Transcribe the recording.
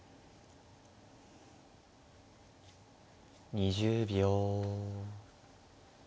２０秒。